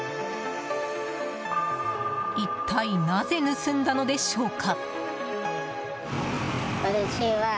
一体、なぜ盗んだのでしょうか。